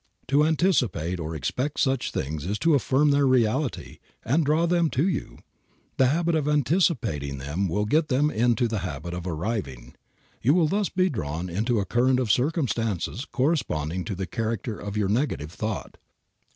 To anticipate or expect such things is to affirm their reality and draw them to you. The habit of anticipating them will get them into the habit of "arriving." You will thus be drawn into a current of circumstance corresponding to the character of your negative thought.